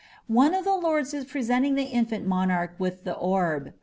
One of the lords is presenting the infant monarch with the orb.